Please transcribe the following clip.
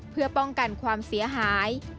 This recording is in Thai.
เพื่อป้องกันความเสียหาย